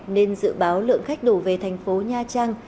nên dự báo lượng khách đổ về thành phố nha trang